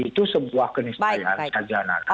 itu sebuah kenisian saja nana